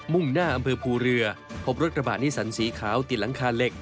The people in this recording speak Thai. ่งหน้าอำเภอภูเรือพบรถกระบะนิสันสีขาวติดหลังคาเหล็ก